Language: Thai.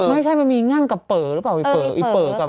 ไม่ใช่มันมีง่างกับเหมาะหรือเปล่า